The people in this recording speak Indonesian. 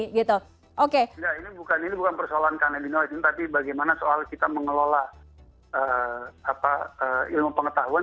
enggak ini bukan persoalan kanedinois tapi bagaimana soal kita mengelola ilmu pengetahuan